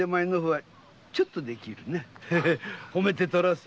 褒めてとらす。